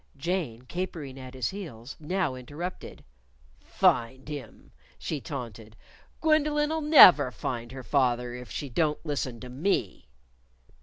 Jane, capering at his heels, now interrupted. "Find him!" she taunted. "Gwendolyn'll never find her father if she don't listen to me."